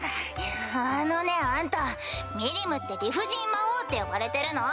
あのねぇあんたミリムって理不尽魔王って呼ばれてるの！